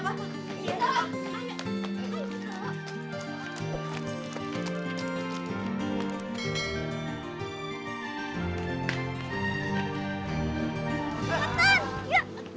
bu bu mau kemana